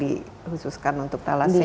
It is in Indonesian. di khususkan untuk thalassemia